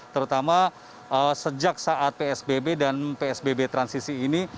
terutama sejak saat psbb dan psbb transisi ini